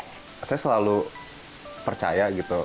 kalau misalnya kita membayangkan sesuatu